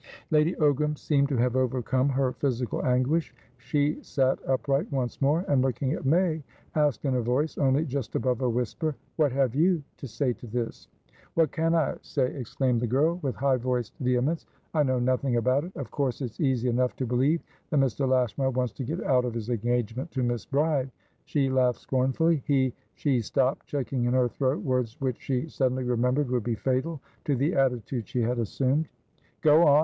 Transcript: Lady Ogram seemed to have overcome her physical anguish. She sat upright once more, and, looking at May, asked in a voice only just above a whisper: "What have you to say to this?" "What can I say," exclaimed the girl, with high voiced vehemence. "I know nothing about it. Of course it's easy enough to believe that Mr. Lashmar wants to get out of his engagement to Miss Bride." She laughed scornfully. "He" She stopped, checking in her throat words which she suddenly remembered would be fatal to the attitude she had assumed. "Go on!"